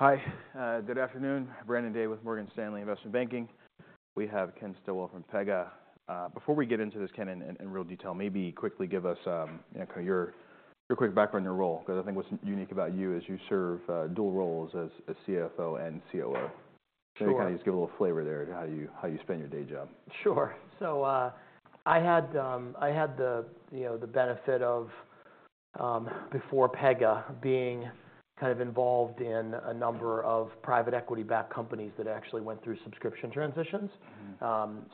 Hi, good afternoon. Brandon Daye with Morgan Stanley, Investment Banking. We have Ken Stillwell from Pega. Before we get into this Ken in real detail, maybe quickly give us, you know, kind of your quick background and your role. 'Cause I think what's unique about you is you serve dual roles as CFO and COO. Sure. So kind of just give a little flavor there, how you spend your day job. Sure. So, I had the, you know, the benefit of before Pega being kind of involved in a number of private equity-backed companies that actually went through subscription transitions.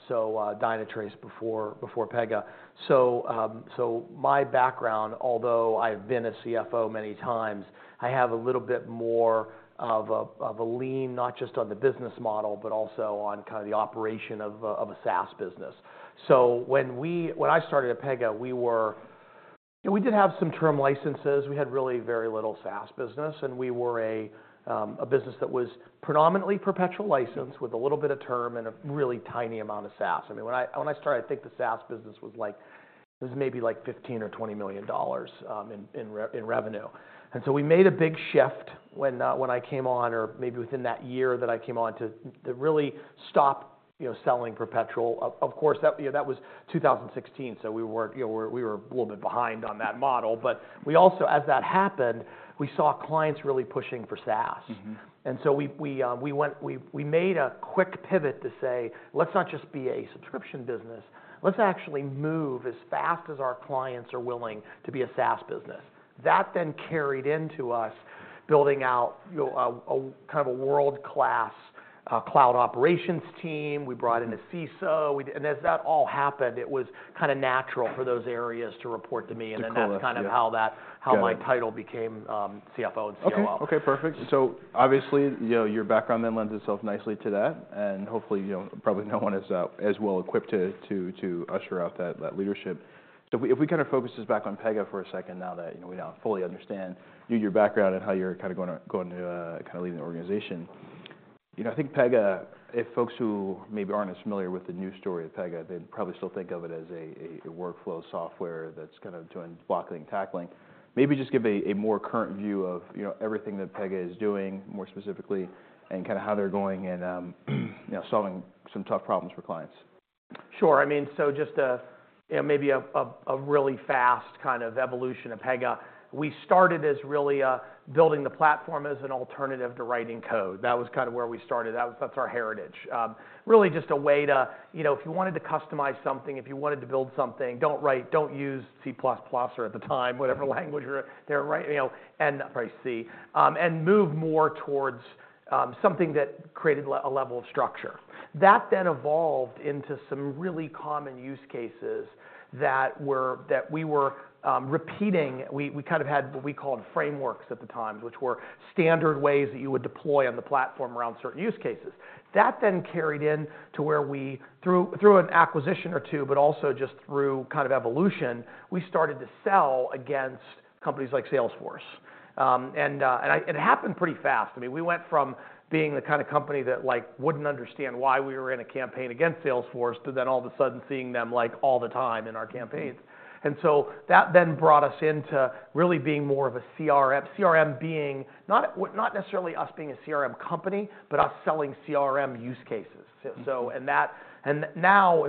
So, Dynatrace before, before Pega. So, so my background, although I've been a CFO many times, I have a little bit more of a, of a lean, not just on the business model, but also on kind of the operation of a, of a SaaS business. So when I started at Pega, we were... You know, we did have some term licenses. We had really very little SaaS business, and we were a, a business that was predominantly perpetual license with a little bit of term and a really tiny amount of SaaS. I mean, when I, when I started, I think the SaaS business was like, it was maybe like $15 million or $20 million, in revenue. And so we made a big shift when I came on, or maybe within that year that I came on, to really stop, you know, selling perpetual. Of course, that, you know, that was 2016, so we were, you know, we were a little bit behind on that model. But we also, as that happened, we saw clients really pushing for SaaS. And so we went. We made a quick pivot to say, "Let's not just be a subscription business. Let's actually move as fast as our clients are willing to be a SaaS business." That then carried into us building out, you know, a kind of world-class cloud operations team. We brought in a CISO. As that all happened, it was kind of natural for those areas to report to me. To collate, yeah. And then that's kind of how that, how my- Got it.... title became CFO and COO. Okay. Okay, perfect. So obviously, you know, your background then lends itself nicely to that, and hopefully, you know, probably no one is as well equipped to usher out that leadership. So if we kind of focus this back on Pega for a second, now that, you know, we now fully understand you, your background and how you're kind of going to kind of lead the organization. You know, I think Pega, if folks who maybe aren't as familiar with the new story of Pega, they probably still think of it as a workflow software that's kind of doing blocking and tackling. Maybe just give a more current view of, you know, everything that Pega is doing more specifically, and kind of how they're going and, you know, solving some tough problems for clients. Sure. I mean, so just a, you know, maybe a really fast kind of evolution of Pega. We started as really building the platform as an alternative to writing code. That was kind of where we started. That was, that's our heritage. Really just a way to, you know, if you wanted to customize something, if you wanted to build something, don't write, don't use C++, or at the time, whatever language we were- Right.... there, right? You know, and probably C. And move more towards something that created a level of structure. That then evolved into some really common use cases that were, that we were repeating. We kind of had what we called frameworks at the time, which were standard ways that you would deploy on the platform around certain use cases. That then carried in to where we, through an acquisition or two, but also just through kind of evolution. We started to sell against companies like Salesforce. And it happened pretty fast. I mean, we went from being the kind of company that, like, wouldn't understand why we were in a campaign against Salesforce, to then all of a sudden seeing them, like, all the time in our campaigns. And so that then brought us into really being more of a CRM. CRM being, not necessarily us being a CRM company, but us selling CRM use cases. If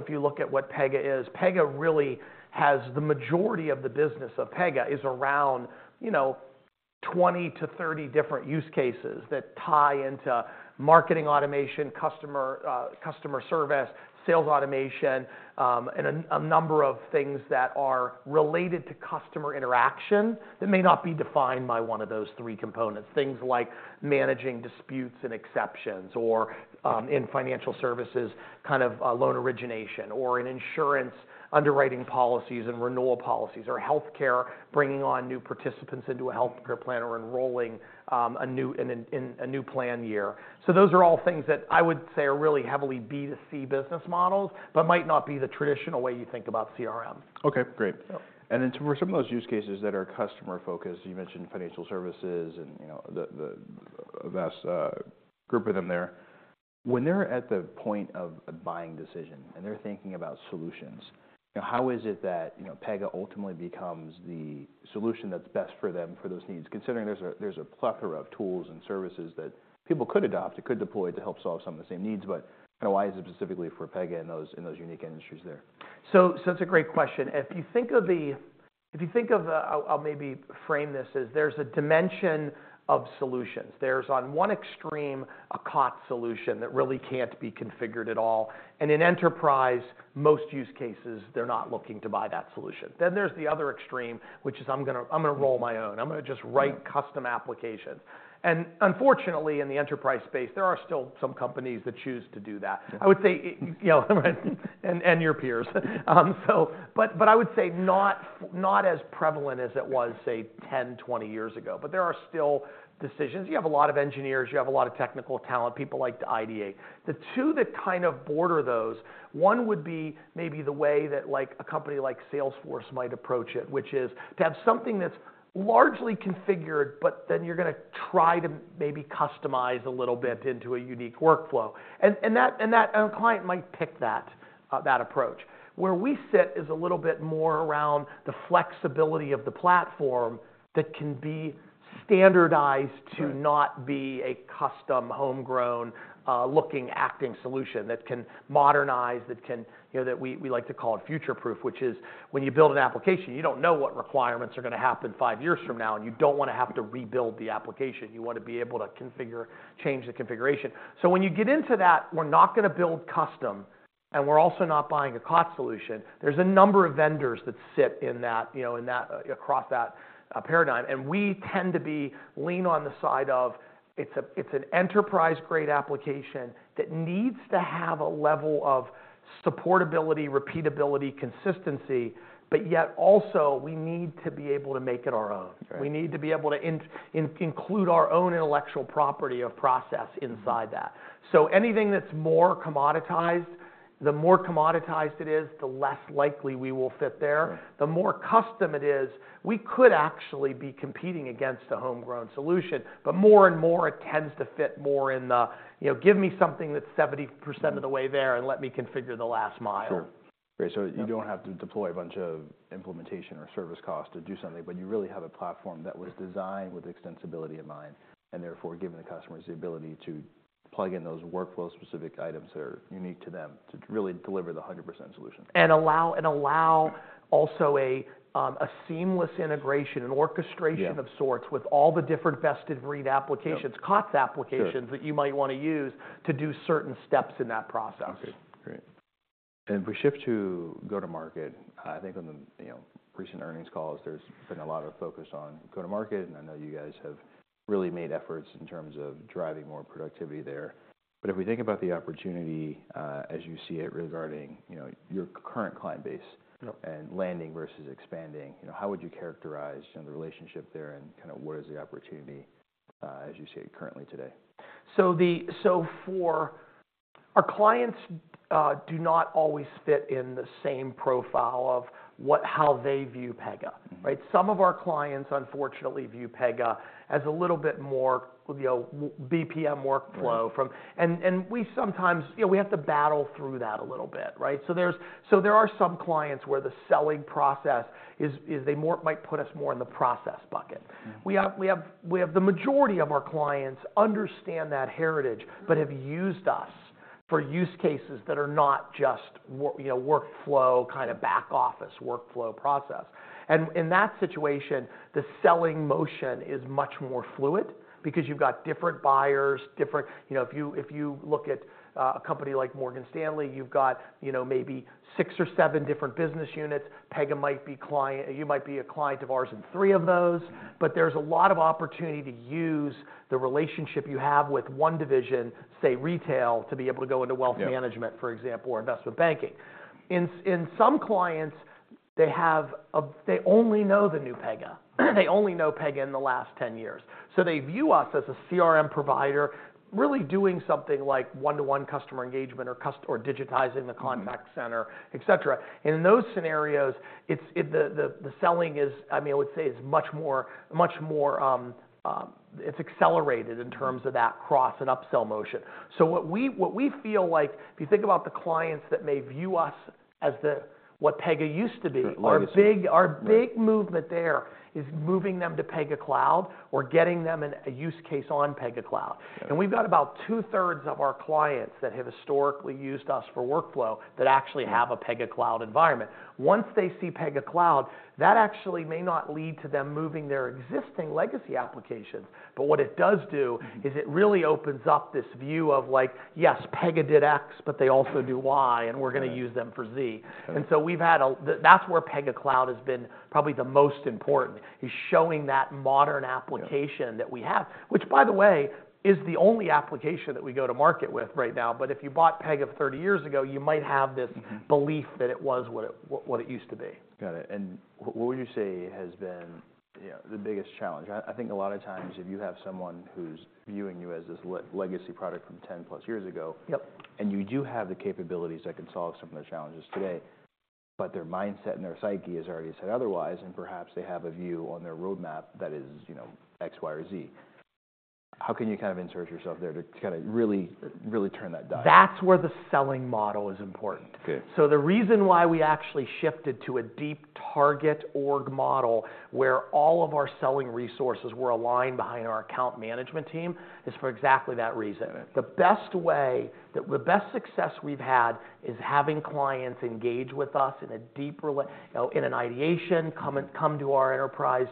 you look at what Pega is. Pega really has, the majority of the business of Pega is around, you know, 20-30 different use cases that tie into marketing automation, customer, customer service, sales automation, and a number of things that are related to customer interaction, that may not be defined by one of those three components. Things like managing disputes and exceptions. Or, in financial services, kind of, loan origination. Or, in insurance, underwriting policies and renewal policies. Or, healthcare, bringing on new participants into a healthcare plan, or enrolling, a new, in a new plan year. So those are all things that I would say are really heavily B2C business models, but might not be the traditional way you think about CRM. Okay, great. Yeah. For some of those use cases that are customer focused, you mentioned financial services and, you know, a vast group of them there. When they're at the point of a buying decision and they're thinking about solutions, you know, how is it that, you know, Pega ultimately becomes the solution that's best for them for those needs? Considering there's a plethora of tools and services that people could adopt or could deploy to help solve some of the same needs, but, you know, why is it specifically for Pega in those unique industries there? So, so that's a great question. If you think of the, I'll, I'll maybe frame this as there's a dimension of solutions. There's on one extreme, a COTS solution that really can't be configured at all. And in enterprise, most use cases, they're not looking to buy that solution. Then there's the other extreme, which is, "I'm gonna, I'm gonna roll my own. I'm gonna just write custom applications." And unfortunately, in the enterprise space, there are still some companies that choose to do that. I would say, you know, and your peers. I would say not as prevalent as it was, say, 10, 20 years ago, but there are still decisions. You have a lot of engineers, you have a lot of technical talent people like to ideate. The two that kind of border those, one would be maybe the way that, like, a company like Salesforce might approach it, which is to have something that's largely configured. But then you're gonna try to maybe customize a little bit into a unique workflow. And that, and a client might pick that approach. Where we sit is a little bit more around the flexibility of the platform that can be standardized- Right.... to not be a custom homegrown looking acting solution that can modernize. That can, you know, that we, we like to call it future-proof, which is when you build an application, you don't know what requirements are gonna happen five years from now. And you don't wanna have to rebuild the application. You wanna be able to configure, change the configuration. So when you get into that, we're not gonna build custom, and we're also not buying a COTS solution. There's a number of vendors that sit in that, you know, in that, across that paradigm. And we tend to be lean on the side of it's a, it's an enterprise-grade application that needs to have a level of supportability, repeatability, consistency, but yet also, we need to be able to make it our own. Right. We need to be able to include our own intellectual property of process inside that. So anything that's more commoditized, the more commoditized it is, the less likely we will fit there. Right. The more custom it is, we could actually be competing against a homegrown solution. But more and more it tends to fit more in the, you know, give me something that's 70% of the way there and let me configure the last mile. Sure. Great, so you don't have to deploy a bunch of implementation or service costs to do something, but you really have a platform that was designed with extensibility in mind. And therefore giving the customers the ability to plug in those workflow-specific items that are unique to them, to really deliver the 100% solution. And allow also a seamless integration, an orchestration- Yeah.... of sorts with all the different best-in-breed applications. Yeah. COTS applications- Sure.... that you might wanna use to do certain steps in that process. Okay, great. And if we shift to go-to-market. I think on the, you know, recent earnings calls, there's been a lot of focus on go-to-market, and I know you guys have really made efforts in terms of driving more productivity there. But if we think about the opportunity, as you see it regarding, you know, your current client base- Yep.... and landing versus expanding, you know, how would you characterize, you know, the relationship there and kinda what is the opportunity, as you see it currently today? So for our clients do not always fit in the same profile of what, how they view Pega. Right? Some of our clients, unfortunately, view Pega as a little bit more of, you know, BPM workflow from- Right.... and we sometimes, you know, we have to battle through that a little bit, right? So there are some clients where the selling process is they more might put us more in the process bucket. We have the majority of our clients understand that heritage, but have used us for use cases that are not just work, you know, workflow, kinda back office workflow process. And in that situation, the selling motion is much more fluid because you've got different buyers, different. You know, if you look at a company like Morgan Stanley, you've got, you know, maybe six or seven different business units. Pega might be client. You might be a client of ours in three of those. But there's a lot of opportunity to use the relationship you have with one division, say Retail, to be able to go into Wealth Management- Yeah.... for example, or Investment Banking. In some clients, they only know the new Pega. They only know Pega in the last 10 years. So they view us as a CRM provider, really doing something like one-to-one customer engagement or digitizing the contact center, et cetera. And in those scenarios, the selling is, I mean, I would say, much more. It's accelerated in terms of that cross and upsell motion. So what we feel like, if you think about the clients that may view us as what Pega used to be- The legacy.... our big- Right.... movement there is moving them to Pega Cloud or getting them in a use case on Pega Cloud. Got it. We've got about 2/3 of our clients that have historically used us for workflow that actually have a Pega Cloud environment. Once they see Pega Cloud, that actually may not lead to them moving their existing legacy applications, but what it does do is it really opens up this view of like, "Yes, Pega did X, but they also do Y, and we're gonna use them for Z. Right. And so that's where Pega Cloud has been probably the most important, is showing that modern application- Yeah.... that we have. Which, by the way, is the only application that we go to market with right now, but if you bought Pega 30 years ago, you might have this belief that it was what it used to be. Got it. And what would you say has been, you know, the biggest challenge? I, I think a lot of times, if you have someone who's viewing you as this legacy product from 10+ years ago- Yep.... and you do have the capabilities that can solve some of their challenges today, but their mindset and their psyche has already said otherwise. And perhaps they have a view on their roadmap that is, you know, X, Y, or Z. How can you kind of insert yourself there to kinda really, really turn that dial? That's where the selling model is important. Good. The reason why we actually shifted to a deep target org model, where all of our selling resources were aligned behind our account management team, is for exactly that reason. Got it. The best way, the best success we've had is having clients engage with us in a deep relationship, you know, in an ideation, come to our enterprise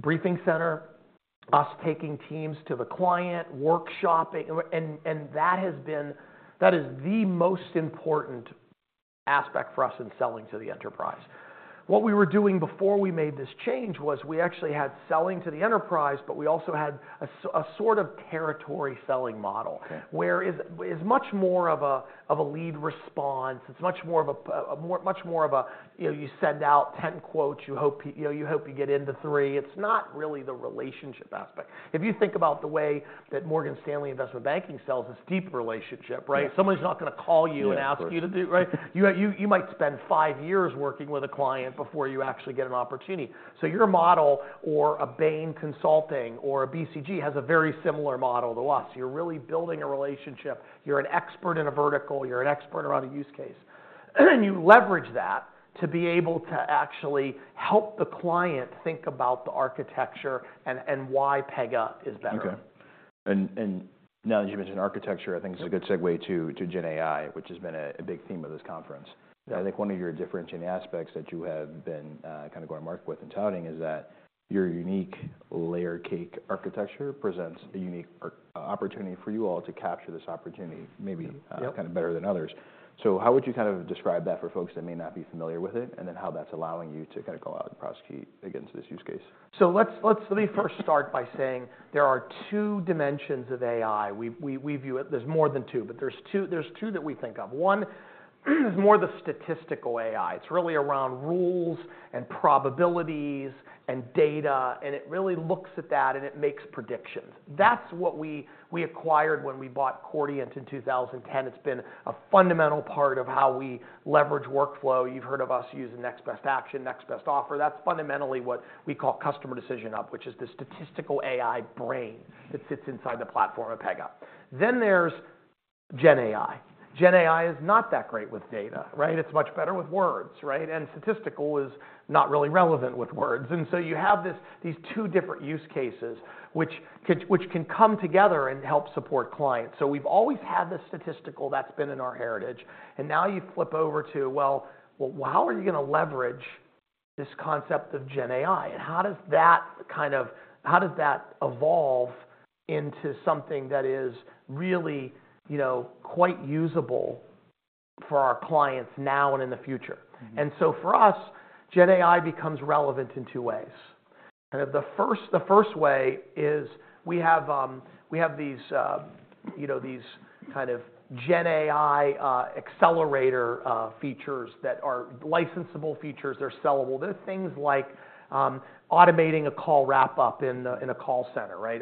briefing center, us taking teams to the client, workshopping, and that has been, that is the most important aspect for us in selling to the enterprise. What we were doing before we made this change was we actually had selling to the enterprise, but we also had a sort of territory selling model. Okay. Whereas it's much more of a lead response. It's much more of a, you know, you send out 10 quotes, you hope, you know, you hope you get into three. It's not really the relationship aspect. If you think about the way that Morgan Stanley Investment Banking sells, it's deep relationship, right? Yeah. Somebody's not gonna call you- Yeah, of course.... and ask you to do, right? You, you might spend five years working with a client before you actually get an opportunity. So your model or a Bain Consulting or a BCG has a very similar model to us. You're really building a relationship. You're an expert in a vertical. You're an expert around a use case, and you leverage that to be able to actually help the client think about the architecture and, and why Pega is better. Okay. And now that you mentioned architecture. I think it's a good segue to GenAI, which has been a big theme of this conference. Yeah. I think one of your differentiating aspects that you have been, kind of going to market with and touting is that your unique Layer Cake architecture presents a unique opportunity for you all to capture this opportunity, maybe. Yep.... kind of better than others. So how would you kind of describe that for folks that may not be familiar with it, and then how that's allowing you to kind of go out and prosecute against this use case? So let me first start by saying there are two dimensions of AI. We view it. There's more than two, but there's two that we think of. One is more the statistical AI. It's really around rules and probabilities and data, and it really looks at that, and it makes predictions. That's what we acquired when we bought Chordiant in 2010. It's been a fundamental part of how we leverage workflow. You've heard of us using Next Best Action, Next Best Offer. That's fundamentally what we call Customer Decision Hub, which is the statistical AI brain that sits inside the platform of Pega. Then there's GenAI. GenAI is not that great with data, right? It's much better with words, right? And statistical is not really relevant with words. And so you have these two different use cases, which can come together and help support clients. So we've always had the statistical that's been in our heritage. And now you flip over to, well, how are you gonna leverage this concept of GenAI? And how does that kind of... how does that evolve into something that is really, you know, quite usable for our clients now and in the future? So for us, GenAI becomes relevant in two ways. The first way is we have these, you know, these kind of GenAI accelerator features that are licensable features. They're sellable. They're things like automating a call wrap-up in a call center, right?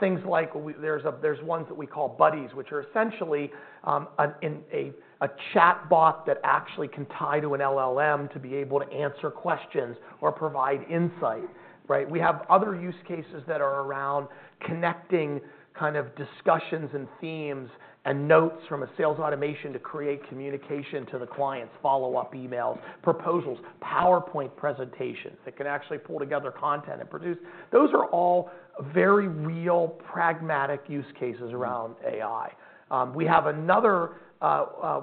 Things like there's ones that we call Buddies, which are essentially a chatbot that actually can tie to an LLM to be able to answer questions or provide insight, right? We have other use cases that are around connecting kind of discussions and themes and notes from a sales automation to create communication to the clients, follow-up emails, proposals, PowerPoint presentations that can actually pull together content and produce. Those are all very real, pragmatic use cases around AI. We have another.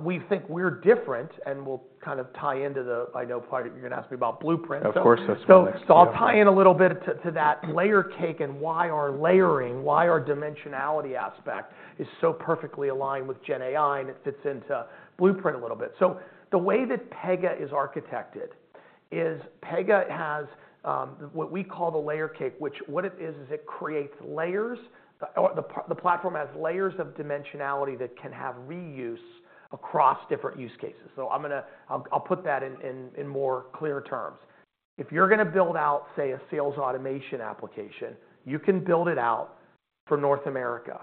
We think we're different, and we'll kind of tie into the—I know part of you're gonna ask me about Blueprint. Of course, that's what's next. Yeah. I'll tie in a little bit to that Layer Cake and why our layering. Why our dimensionality aspect is so perfectly aligned with GenAI and it fits into Blueprint a little bit. The way that Pega is architected is Pega has what we call the Layer Cake, which what it is, is it creates layers. The platform has layers of dimensionality that can have reuse across different use cases. I'll put that in more clear terms. If you're gonna build out, say, a sales automation application, you can build it out for North America.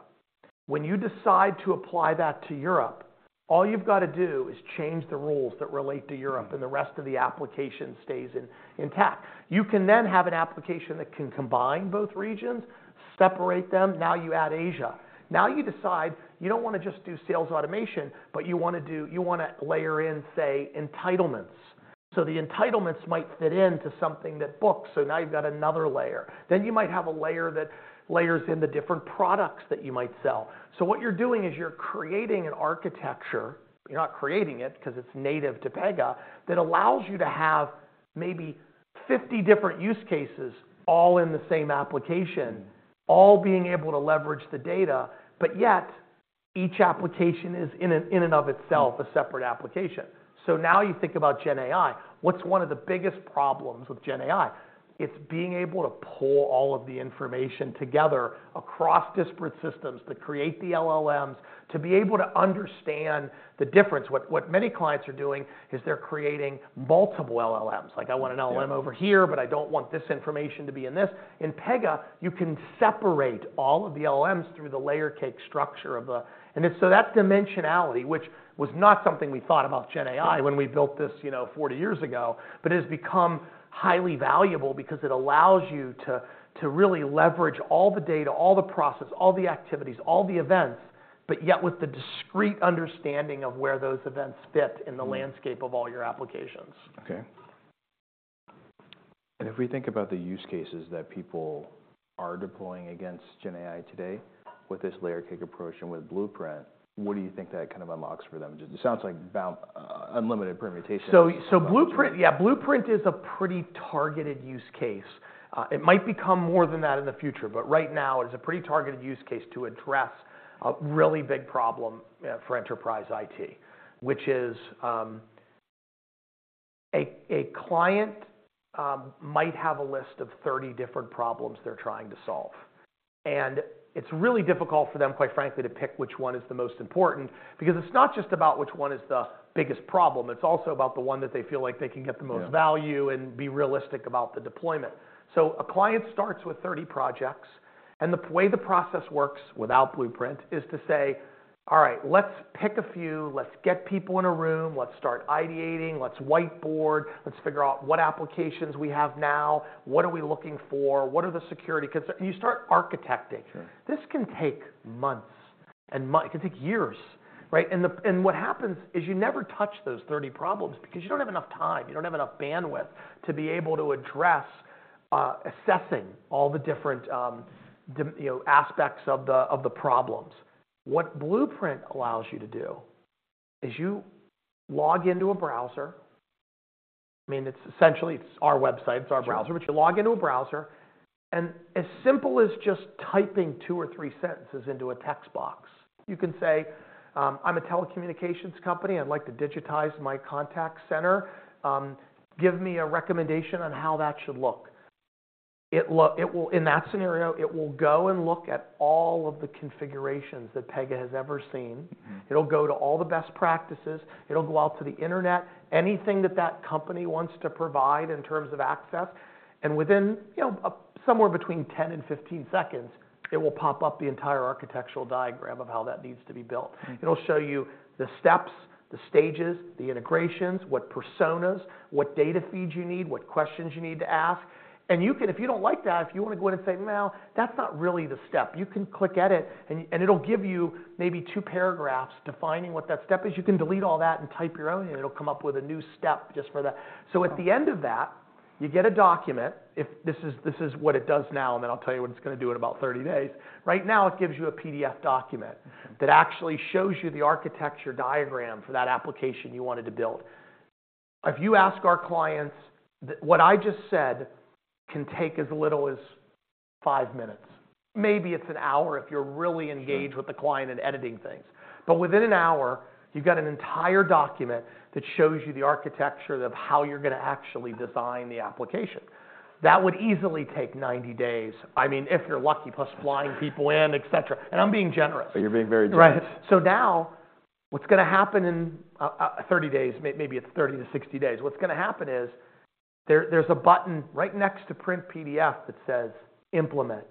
When you decide to apply that to Europe, all you've got to do is change the rules that relate to Europe, and the rest of the application stays intact. You can then have an application that can combine both regions, separate them. Now you add Asia. Now you decide you don't wanna just do sales automation, but you wanna layer in, say, entitlements. So the entitlements might fit into something that books, so now you've got another layer. Then you might have a layer that layers in the different products that you might sell. So what you're doing is you're creating an architecture, you're not creating it because it's native to Pega, that allows you to have maybe 50 different use cases all in the same application, all being able to leverage the data, but yet each application is in and of itself a separate application. So now you think about GenAI. What's one of the biggest problems with GenAI? It's being able to pull all of the information together across disparate systems to create the LLMs, to be able to understand the difference. What, what many clients are doing is they're creating multiple LLMs. Yeah. Like, "I want an LLM over here, but I don't want this information to be in this." In Pega, you can separate all of the LLMs through the Layer Cake structure of the... And it's so that dimensionality, which was not something we thought about GenAI when we built this, you know, 40 years ago, but it has become highly valuable because it allows you to, to really leverage all the data, all the process, all the activities, all the events, but yet with the discrete understanding of where those events fit in the landscape of all your applications. Okay. And if we think about the use cases that people are deploying against GenAI today with this Layer Cake approach and with Blueprint, what do you think that kind of unlocks for them? Just, it sounds like about unlimited permutations. Blueprint, yeah, Blueprint is a pretty targeted use case. It might become more than that in the future, but right now, it is a pretty targeted use case to address a really big problem for enterprise IT, which is, a client might have a list of 30 different problems they're trying to solve. And it's really difficult for them, quite frankly, to pick which one is the most important, because it's not just about which one is the biggest problem, it's also about the one that they feel like they can get the most- Yeah.... value and be realistic about the deployment. So a client starts with 30 projects, and the way the process works without Blueprint is to say, "All right, let's pick a few. Let's get people in a room. Let's start ideating. Let's whiteboard. Let's figure out what applications we have now. What are we looking for? What are the security?" 'Cause you start architecting. Sure. This can take months; it can take years, right? And what happens is you never touch those 30 problems because you don't have enough time, you don't have enough bandwidth to be able to address assessing all the different, you know, aspects of the, of the problems. What Blueprint allows you to do is you log into a browser, I mean, it's essentially, it's our website, it's our browser. Sure. But you log into a browser, and as simple as just typing two or three sentences into a text box, you can say, "I'm a telecommunications company. I'd like to digitize my contact center. Give me a recommendation on how that should look." It will. In that scenario, it will go and look at all of the configurations that Pega has ever seen. It'll go to all the best practices, it'll go out to the internet, anything that that company wants to provide in terms of access, and within, you know, somewhere between 10 and 15 seconds, it will pop up the entire architectural diagram of how that needs to be built. It'll show you the steps, the stages, the integrations, what personas, what data feeds you need, what questions you need to ask. You can... If you don't like that, if you wanna go in and say, "No, that's not really the step," you can click Edit, and it'll give you maybe two paragraphs defining what that step is. You can delete all that and type your own, and it'll come up with a new step just for that. Wow! So at the end of that, you get a document. If this is, this is what it does now, and then I'll tell you what it's gonna do in about 30 days. Right now, it gives you a PDF document that actually shows you the architecture diagram for that application you wanted to build. If you ask our clients, what I just said can take as little as five minutes. Maybe it's an hour if you're really engaged- Sure.... with the client and editing things. But within an hour, you've got an entire document that shows you the architecture of how you're gonna actually design the application. That would easily take 90 days, I mean, if you're lucky, plus flying people in, et cetera. And I'm being generous. You're being very generous. Right. So now, what's gonna happen in 30 days, maybe it's 30-60 days. What's gonna happen is, there's a button right next to Print PDF that says Implement.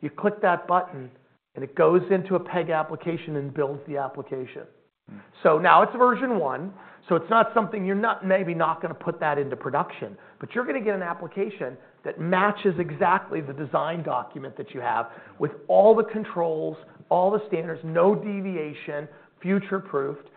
You click that button, and it goes into a Pega application and builds the application. So now it's version one, so it's not something... You're not, maybe not gonna put that into production, but you're gonna get an application that matches exactly the design document that you have, with all the controls, all the standards, no deviation, future-proofed.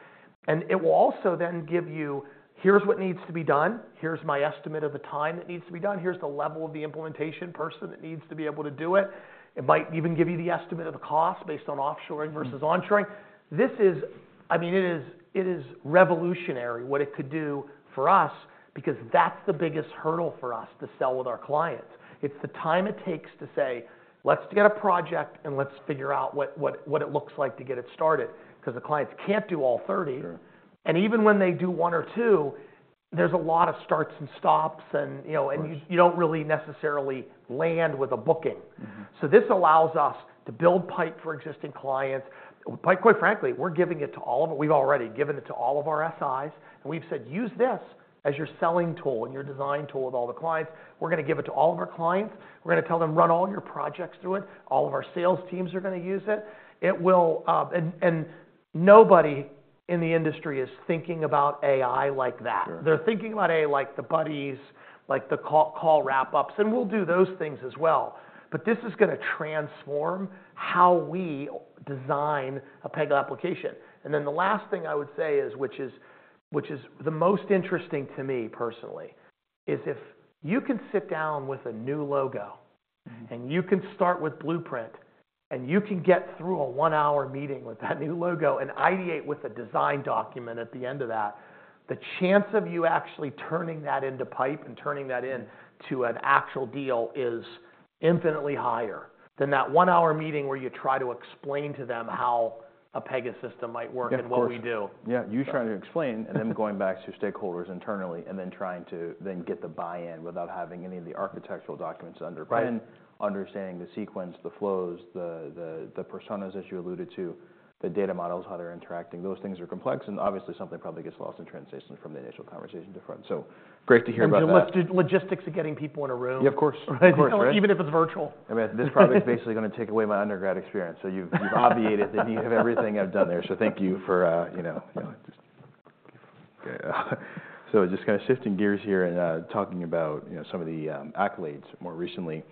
And it will also then give you, "Here's what needs to be done. Here's my estimate of the time that needs to be done. Here's the level of the implementation person that needs to be able to do it." It might even give you the estimate of the cost based on offshoring versus onshoring. This is, I mean, it is, it is revolutionary what it could do for us, because that's the biggest hurdle for us to sell with our clients. It's the time it takes to say, "Let's get a project, and let's figure out what, what, what it looks like to get it started," 'cause the clients can't do all 30. Sure. Even when they do one or two, there's a lot of starts and stops and, you know- Right.... and you, you don't really necessarily land with a booking. So this allows us to build pipe for existing clients. Quite, quite frankly, we're giving it to all of them. We've already given it to all of our SIs, and we've said, "Use this as your selling tool and your design tool with all the clients." We're gonna give it to all of our clients. We're gonna tell them, "Run all your projects through it." All of our sales teams are gonna use it. It will... And nobody in the industry is thinking about AI like that. Sure. They're thinking about AI like the Buddies, like the call wrap-ups, and we'll do those things as well. But this is gonna transform how we design a Pega application. And then the last thing I would say is, which is the most interesting to me personally, is if you can sit down with a new logo and you can start with Blueprint, and you can get through a one-hour meeting with that new logo and ideate with a design document at the end of that. The chance of you actually turning that into pipe and turning that in to an actual deal is infinitely higher than that 1-hour meeting where you try to explain to them how a Pega system might work- Yeah, of course.... and what we do. Yeah, you trying to explain... and then going back to stakeholders internally, and then trying to then get the buy-in without having any of the architectural documents to underpin. Right. Understanding the sequence, the flows, the personas as you alluded to, the data models, how they're interacting. Those things are complex, and obviously, something probably gets lost in translation from the initial conversation to front. So great to hear about that. The logistics of getting people in a room. Yeah, of course. Right? Of course. Right. Even if it's virtual. I mean, this probably is basically gonna take away my undergrad experience. So you've obviated the need of everything I've done there, so thank you for, you know, just. So just kind of shifting gears here and talking about, you know, some of the accolades. More recently,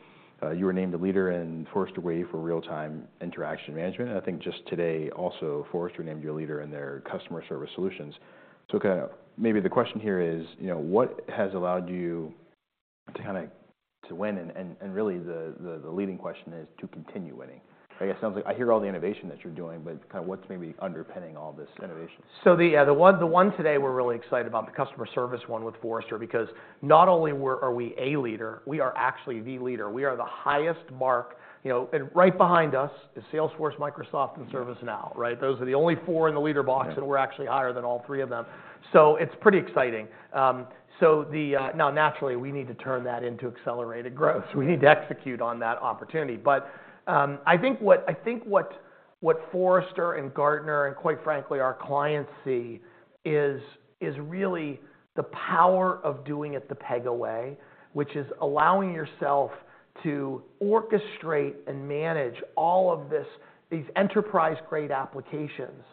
you were named a leader in Forrester Wave for Real-Time Interaction Management. And I think just today, also, Forrester named you a leader in their Customer Service Solutions. So kind of maybe the question here is, you know, what has allowed you to kind of to win and really the leading question is to continue winning. I guess, sounds like, I hear all the innovation that you're doing, but kind of what's maybe underpinning all this innovation? So the one today we're really excited about, the customer service one with Forrester. Because not only are we a leader, we are actually the leader. We are the highest mark, you know, and right behind us is Salesforce, Microsoft, and ServiceNow, right? Those are the only four in the leader box- Yeah.... and we're actually higher than all three of them. So it's pretty exciting. Now, naturally, we need to turn that into accelerated growth. We need to execute on that opportunity. But, I think what Forrester and Gartner and, quite frankly, our clients see is really the power of doing it the Pega way, which is allowing yourself to orchestrate and manage all of this, these enterprise-grade applications,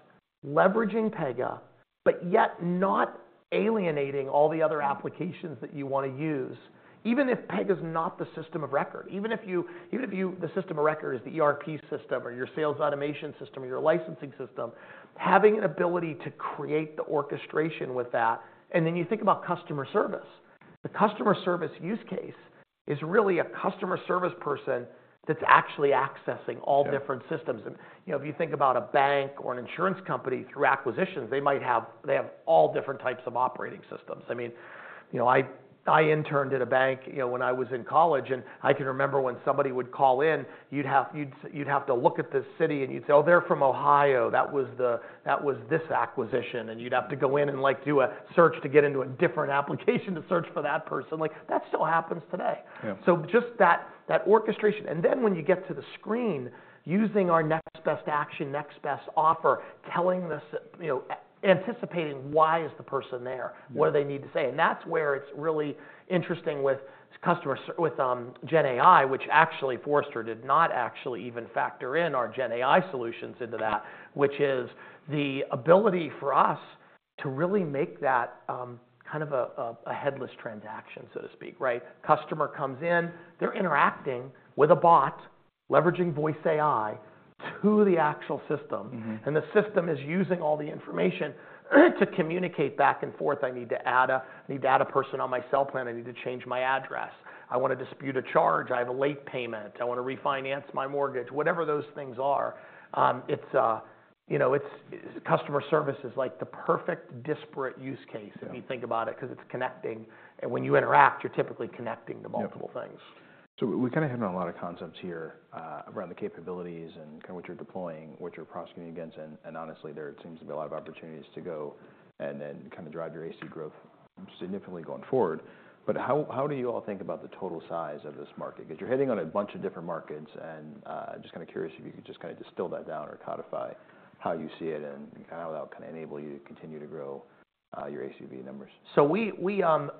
leveraging Pega. But yet not alienating all the other applications that you want to use, even if Pega's not the system of record. Even if you, the system of record is the ERP system or your sales automation system or your licensing system, having an ability to create the orchestration with that. And then you think about customer service. The customer service use case is really a customer service person that's actually accessing all different- Yeah.... systems. You know, if you think about a bank or an insurance company through acquisitions, they have all different types of operating systems. I mean, you know, I interned at a bank, you know, when I was in college. And I can remember when somebody would call in, you'd have to look at the city, and you'd say, "Oh, they're from Ohio. That was the... That was this acquisition." And you'd have to go in and, like, do a search to get into a different application to search for that person. Like, that still happens today. Yeah. So just that, that orchestration. And then when you get to the screen, using our Next Best Action, Next Best Offer, telling the you know, anticipating why is the person there- Yeah.... what do they need to say? And that's where it's really interesting with customer service with GenAI, which actually, Forrester did not actually even factor in our GenAI solutions into that, which is the ability for us to really make that kind of a headless transaction, so to speak, right? Customer comes in, they're interacting with a bot, leveraging Voice AI to the actual system. And the system is using all the information to communicate back and forth, "I need to add a person on my cell plan. I need to change my address. I want to dispute a charge. I have a late payment. I want to refinance my mortgage," whatever those things are. It's, you know, it's, customer service is, like, the perfect disparate use case- Yeah.... if you think about it, 'cause it's connecting, and when you interact, you're typically connecting to multiple things. Yeah. So we kind of hitting on a lot of concepts here around the capabilities and kind of what you're deploying, what you're prospecting against, and honestly, there seems to be a lot of opportunities to go and then kind of drive your ACV growth significantly going forward. But how do you all think about the total size of this market? 'Cause you're hitting on a bunch of different markets, and I'm just kind of curious if you could just kind of distill that down or codify how you see it, and kind of how that can enable you to continue to grow your ACV numbers. So we,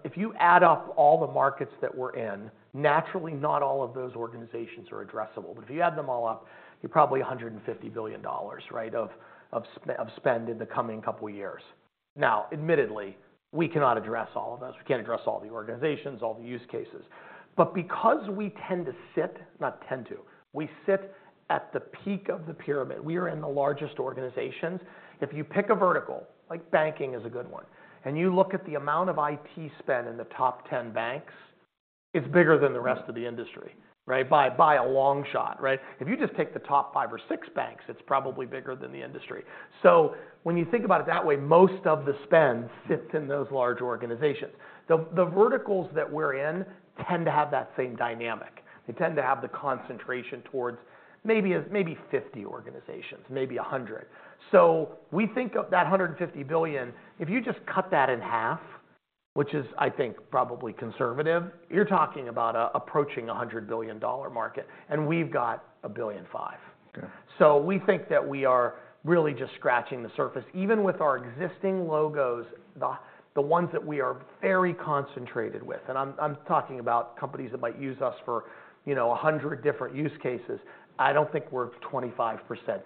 if you add up all the markets that we're in, naturally, not all of those organizations are addressable. But if you add them all up, you're probably $150 billion, right, of spend in the coming couple of years. Now, admittedly, we cannot address all of those. We can't address all the organizations, all the use cases. But because we tend to sit, not tend to, we sit at the peak of the pyramid, we are in the largest organizations. If you pick a vertical, like banking is a good one, and you look at the amount of IT spend in the top 10 banks, it's bigger than the rest of the industry, right? By a long shot, right? If you just take the top five or six banks, it's probably bigger than the industry. So when you think about it that way, most of the spend sits in those large organizations. The verticals that we're in tend to have that same dynamic. They tend to have the concentration towards maybe 50 organizations, maybe 100. So we think of that $150 billion, if you just cut that in half, which is, I think, probably conservative, you're talking about approaching a $100 billion market, and we've got a $1.5 billion. Okay. So we think that we are really just scratching the surface. Even with our existing logos, the ones that we are very concentrated with. And I'm talking about companies that might use us for, you know, 100 different use cases, I don't think we're 25%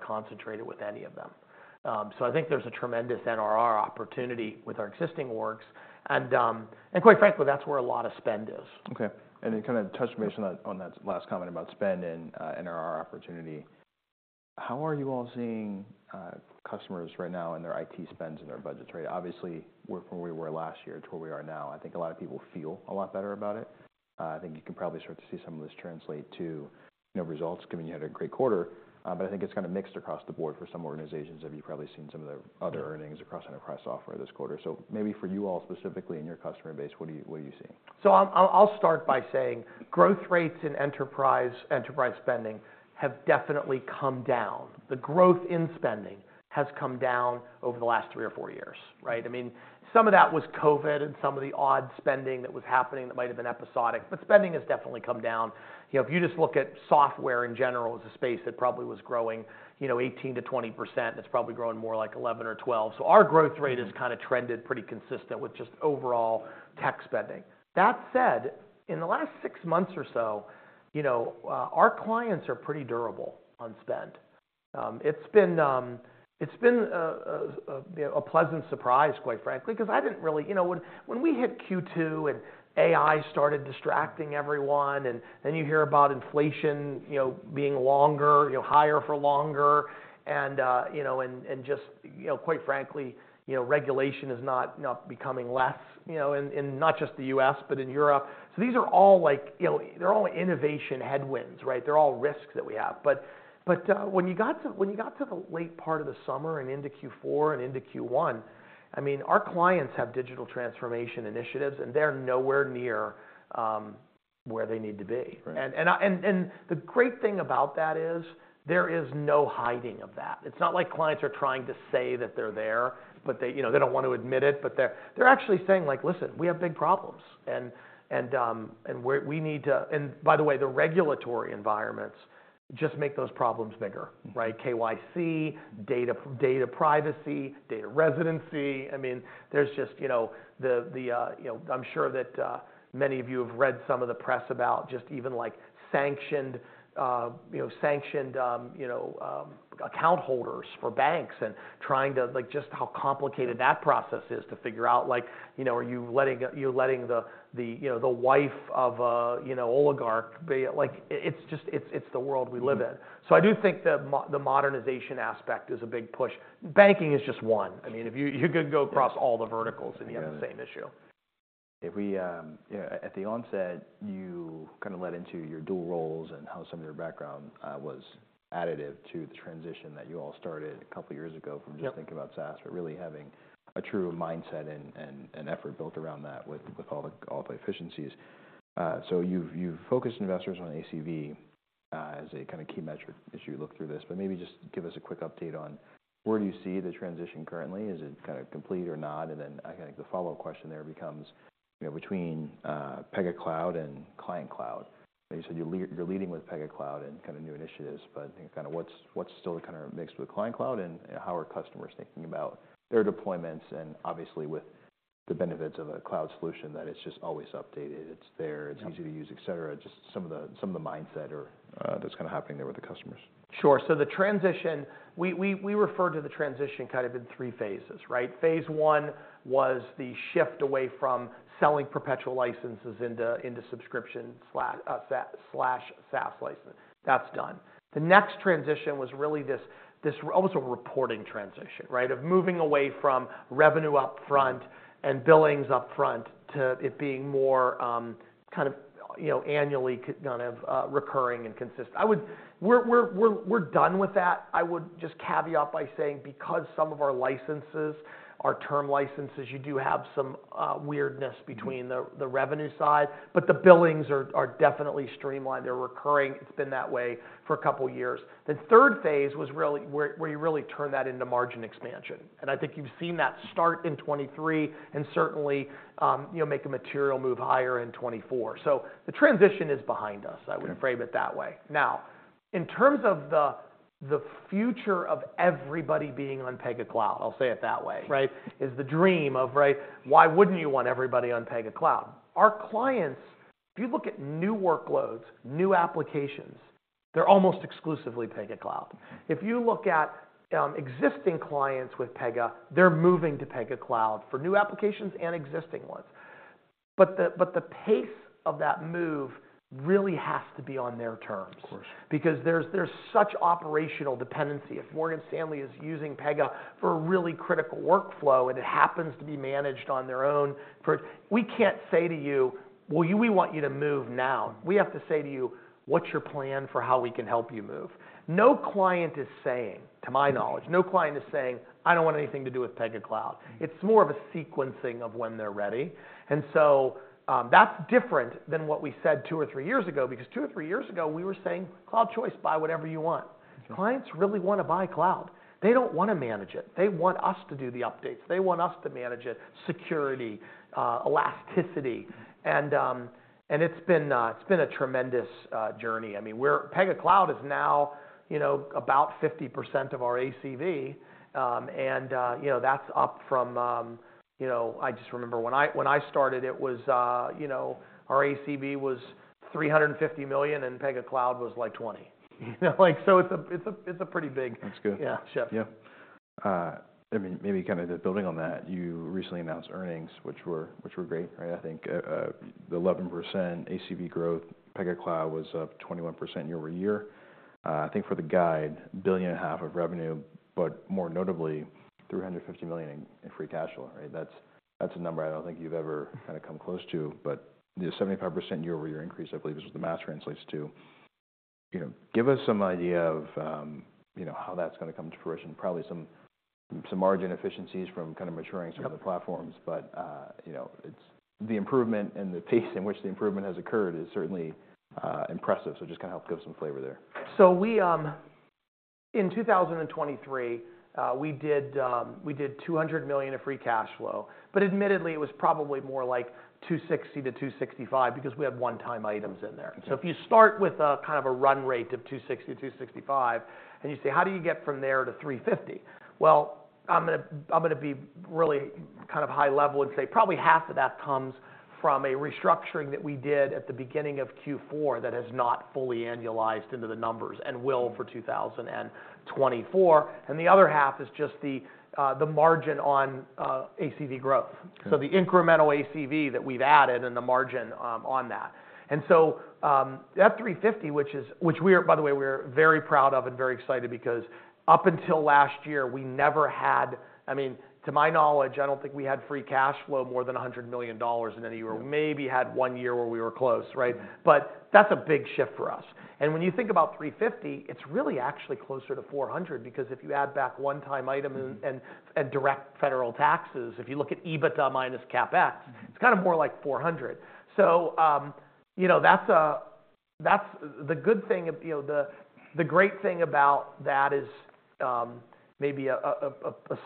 concentrated with any of them. So I think there's a tremendous NRR opportunity with our existing orgs, and quite frankly, that's where a lot of spend is. Okay. And then kind of touch base on that, on that last comment about spend and NRR opportunity. How are you all seeing customers right now in their IT spends and their budgets, right? Obviously, where, from where we were last year to where we are now, I think a lot of people feel a lot better about it. I think you can probably start to see some of this translate to, you know, results given you had a great quarter. But I think it's kind of mixed across the board for some organizations, as you've probably seen some of the other earnings- Yeah.... across enterprise software this quarter. So maybe for you all specifically in your customer base, what are you, what are you seeing? So I'll start by saying growth rates in enterprise spending have definitely come down. The growth in spending has come down over the last three or four years, right? I mean, some of that was COVID and some of the odd spending that was happening that might have been episodic, but spending has definitely come down. You know, if you just look at software in general as a space that probably was growing, you know, 18%-20%, it's probably growing more like 11% or 12%. So our growth rate has kind of trended pretty consistent with just overall tech spending. That said, in the last six months or so, you know, our clients are pretty durable on spend. It's been a pleasant surprise, quite frankly, 'cause I didn't really-- You know, when we hit Q2 and AI started distracting everyone, and then you hear about inflation, you know, being longer, you know, higher for longer, and just, you know, quite frankly, you know, regulation is not becoming less, you know, in not just the U.S., but in Europe. So these are all like, you know, they're all innovation headwinds, right? They're all risks that we have. But when you got to the late part of the summer and into Q4 and into Q1, I mean, our clients have digital transformation initiatives, and they're nowhere near where they need to be. Right. And the great thing about that is, there is no hiding of that. It's not like clients are trying to say that they're there, but they, you know, they don't want to admit it, but they're actually saying like, "Listen, we have big problems, and we're... we need to-" And by the way, the regulatory environments just make those problems bigger, right? KYC, data privacy, data residency. I mean, there's just, you know, the, you know, I'm sure that, many of you have read some of the press about just even, like, sanctioned, you know, account holders for banks and trying to, like, just how complicated that process is to figure out. Like, you know, are you letting, you're letting the, you know, the wife of a, you know, oligarch. Like, it's just, it's the world we live in. So I do think that the modernization aspect is a big push. Banking is just one. I mean, if you could go across all the verticals- Yeah.... and you have the same issue. If we, at the onset, you kind of led into your dual roles and how some of your background was additive to the transition that you all started a couple of years ago- Yep.... from just thinking about SaaS, but really having a true mindset and effort built around that with all the efficiencies. So you've focused investors on ACV as a kind of key metric as you look through this, but maybe just give us a quick update on where do you see the transition currently? Is it kind of complete or not? And then I think the follow-up question there becomes, you know, between Pega Cloud and Client Cloud. You said you're leading with Pega Cloud and kind of new initiatives, but kind of what's still kind of mixed with Client Cloud. And how are customers thinking about their deployments, and obviously, with the benefits of a cloud solution, that it's just always updated, it's there- Yep.... it's easy to use, et cetera. Just some of the, some of the mindset or, that's kind of happening there with the customers. Sure. So the transition, we refer to the transition kind of in three phases, right? Phase one was the shift away from selling perpetual licenses into subscription slash SaaS license. That's done. The next transition was really this almost a reporting transition, right? Of moving away from revenue up front and billings up front to it being more kind of, you know, annually kind of recurring and consistent. We're done with that. I would just caveat by saying because some of our licenses are term licenses, you do have some weirdness between the revenue side, but the billings are definitely streamlined. They're recurring. It's been that way for a couple of years. The third phase was really where you really turn that into margin expansion, and I think you've seen that start in 2023 and certainly, you know, make a material move higher in 2024. So the transition is behind us. Okay. I would frame it that way. Now, in terms of the, the future of everybody being on Pega Cloud, I'll say it that way, right? Is the dream of, right, why wouldn't you want everybody on Pega Cloud? Our clients, if you look at new workloads, new applications, they're almost exclusively Pega Cloud. If you look at existing clients with Pega, they're moving to Pega Cloud for new applications and existing ones. But the, but the pace of that move really has to be on their terms. Of course. Because there's such operational dependency. If Morgan Stanley is using Pega for a really critical workflow, and it happens to be managed on their own for... we can't say to you, "Well, we want you to move now." We have to say to you, "What's your plan for how we can help you move?" No client is saying, to my knowledge no client is saying, "I don't want anything to do with Pega Cloud. It's more of a sequencing of when they're ready. And so, that's different than what we said two or three years ago, because two or three years ago, we were saying, "Cloud choice, buy whatever you want. Clients really want to buy cloud. They don't want to manage it. They want us to do the updates. They want us to manage it, security, elasticity, and, and it's been a tremendous journey. I mean, we're- Pega Cloud is now, you know, about 50% of our ACV, and, you know, that's up from, you know... I just remember when I, when I started, it was, you know, our ACV was $350 million, and Pega Cloud was like $20 million. You know, like, so it's a, it's a, it's a pretty big- That's good. Yeah. Sure. Yeah. I mean, maybe kind of building on that, you recently announced earnings, which were, which were great, right? I think 11% ACV growth. Pega Cloud was up 21% year-over-year. I think for the guide $1.5 billion of revenue. But more notably $350 million in, in free cash flow, right? That's, that's a number I don't think you've ever kind of come close to. But the 75% year-over-year increase, I believe, is what the math translates to. You know, give us some idea of, you know, how that's gonna come to fruition. Probably some, some margin efficiencies from kind of maturing- Yep.... some of the platforms, but, you know, it's the improvement and the pace in which the improvement has occurred is certainly impressive. So just kind of help give some flavor there. So, in 2023, we did $200 million of free cash flow. But admittedly, it was probably more like $260 million-$265 million because we had one-time items in there. Okay. So if you start with a kind of a run rate of $260 million-$265 million, and you say, how do you get from there to $350 million? Well, I'm gonna be really kind of high level and say probably half of that comes from a restructuring that we did at the beginning of Q4 that has not fully annualized into the numbers, and will for 2024. And the other half is just the margin on ACV growth. Okay. So the incremental ACV that we've added and the margin on that. And so, that $350 million, which is—which we are, by the way, very proud of and very excited, because up until last year, we never had—I mean, to my knowledge, I don't think we had free cash flow more than $100 million in any year. No. Maybe had one year where we were close, right? That's a big shift for us. When you think about $350 million, it's really actually closer to $400 million. Because if you add back one-time item and direct federal taxes, if you look at EBITDA minus CapEx, it's kind of more like $400 million. So, you know, that's, that's... The good thing of, you know, the great thing about that is, maybe a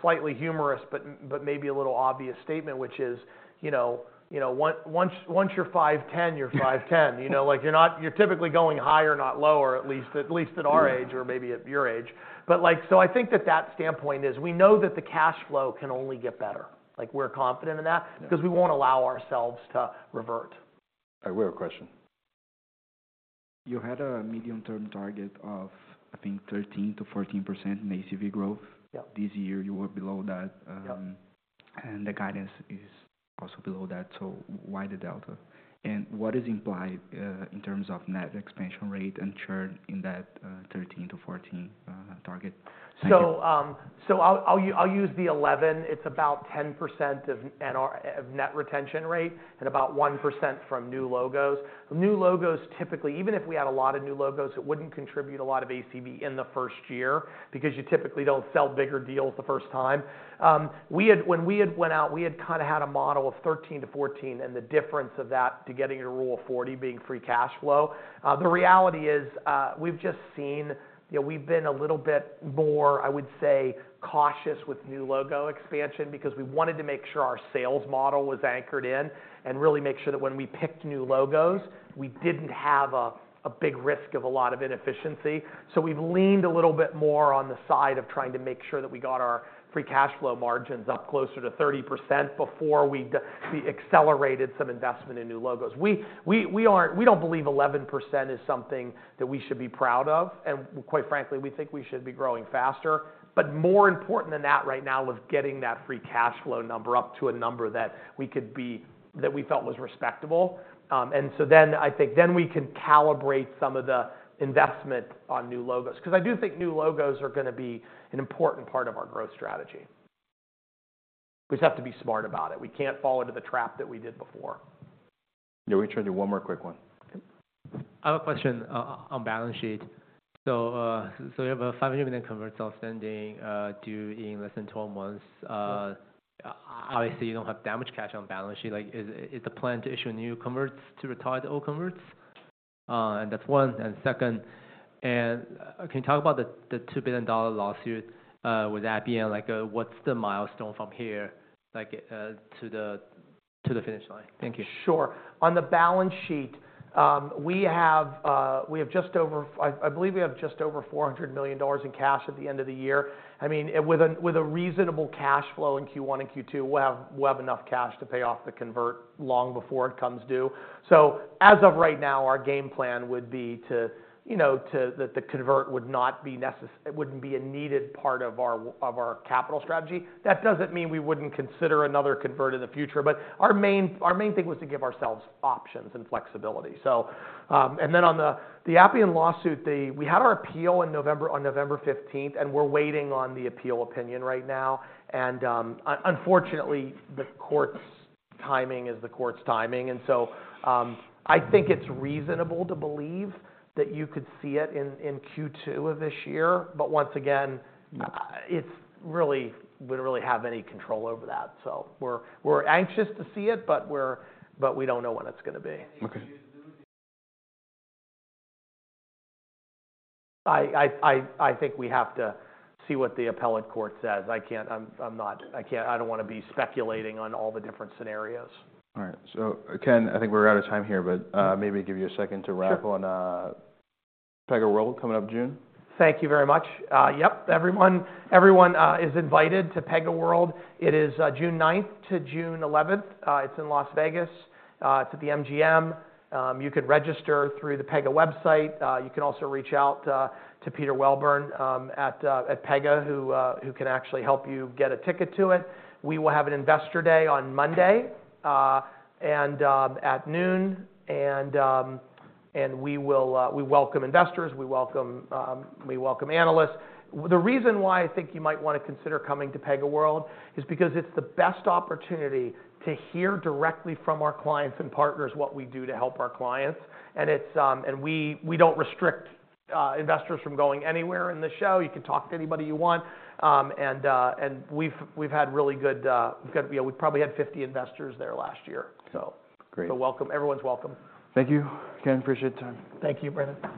slightly humorous but maybe a little obvious statement, which is, you know, once you're 5'10", you're 5'10". You know, like, you're not- you're typically going higher, not lower, at least at our age- Yeah.... or maybe at your age. But, like, so I think that that standpoint is, we know that the cash flow can only get better. Like, we're confident in that. Yeah. Because we won't allow ourselves to revert. We have a question. You had a medium-term target of, I think, 13%-14% in ACV growth. Yep. This year you were below that. Yep. And the guidance is also below that, so why the delta? And what is implied in terms of net expansion rate and churn in that 13%-14% target? Thank you. So, I'll use the 11%. It's about 10% of net retention rate, and about 1% from new logos. New logos, typically, even if we had a lot of new logos, it wouldn't contribute a lot of ACV in the first year. Because you typically don't sell bigger deals the first time. We had, when we had went out, we had kind of had a model of 13%-14%, and the difference of that to getting to Rule of 40 being free cash flow. The reality is, we've just seen... You know, we've been a little bit more, I would say, cautious with new logo expansion, because we wanted to make sure our sales model was anchored in, and really make sure that when we picked new logos, we didn't have a, a big risk of a lot of inefficiency. So we've leaned a little bit more on the side of trying to make sure that we got our free cash flow margins up closer to 30% before we d- we accelerated some investment in new logos. We, we, we aren't- we don't believe 11% is something that we should be proud of, and quite frankly, we think we should be growing faster. But more important than that right now was getting that free cash flow number up to a number that we could be-- that we felt was respectable. And so then I think then we can calibrate some of the investment on new logos, 'cause I do think new logos are gonna be an important part of our growth strategy. We just have to be smart about it. We can't fall into the trap that we did before. Yeah, we can do one more quick one. Okay. I have a question on balance sheet. So you have $500 million convertibles outstanding, due in less than 12 months. Yeah. Obviously, you don't have that much cash on balance sheet. Like, is the plan to issue new converts to retire the old converts? And that's one. And second, and can you talk about the $2 billion lawsuit with Appian? Like, what's the milestone from here, like, to the finish line? Thank you. Sure. On the balance sheet, we have just over... I believe we have just over $400 million in cash at the end of the year. I mean, with a reasonable cash flow in Q1 and Q2, we'll have enough cash to pay off the convert long before it comes due. So as of right now, our game plan would be to, you know, to-- that the convert would not be necess- it wouldn't be a needed part of our w- of our capital strategy. That doesn't mean we wouldn't consider another convert in the future, but our main thing was to give ourselves options and flexibility. So, and then on the Appian lawsuit, the... we had our appeal in November, on November 15th, and we're waiting on the appeal opinion right now. Unfortunately, the court's timing is the court's timing. So, I think it's reasonable to believe that you could see it in Q2 of this year. But once again, it's really, we don't really have any control over that. So we're anxious to see it, but we don't know when it's gonna be. Okay. Do you lose your- I think we have to see what the appellate court says. I can't... I'm not. I don't wanna be speculating on all the different scenarios. All right. So Ken, I think we're out of time here. But, maybe give you a second to wrap on- Sure.... PegaWorld coming up June. Thank you very much. Yep, everyone is invited to PegaWorld. It is June 9th to June 11th. It's in Las Vegas. It's at the MGM. You can register through the Pega website. You can also reach out to Peter Welburn at Pega, who can actually help you get a ticket to it. We will have an Investor Day on Monday and at noon, and we welcome investors and analysts. The reason why I think you might wanna consider coming to PegaWorld is because it's the best opportunity to hear directly from our clients and partners what we do to help our clients. And we don't restrict investors from going anywhere in the show. You can talk to anybody you want. And we've had really good, we've got, you know, we probably had 50 investors there last year, so. Great. Welcome. Everyone's welcome. Thank you, Ken. Appreciate the time. Thank you, Brendan.